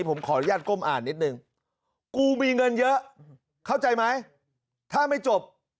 ผมขออนุญาตก้มอ่านนิดนึงกูมีเงินเยอะเข้าใจไหมถ้าไม่จบ